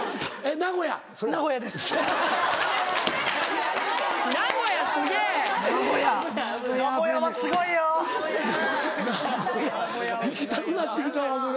名古屋行きたくなって来たわそれ。